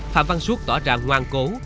phạm văn xuất tỏ ra ngoan cố